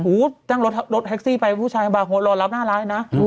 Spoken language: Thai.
อุ๊ดนั่งรถแท็กซี่ไปผู้ชายบาร์โฮดรอรับน่าร้ายนะ